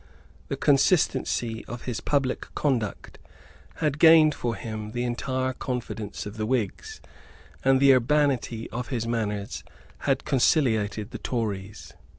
The consistency of his public conduct had gained for him the entire confidence of the Whigs; and the urbanity of his manners had conciliated the Tories.